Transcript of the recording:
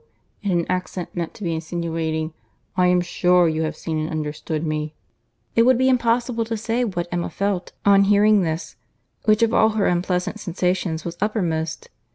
—(in an accent meant to be insinuating)—I am sure you have seen and understood me." It would be impossible to say what Emma felt, on hearing this—which of all her unpleasant sensations was uppermost.